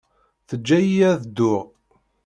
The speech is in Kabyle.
Teǧǧa-iyi ad dduɣ.